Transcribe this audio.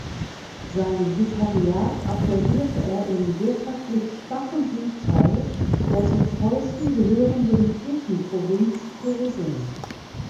Sein Vikariat absolvierte er im wirtschaftlich schwachen Südteil der zu Preußen gehörenden Kirchenprovinz Posen.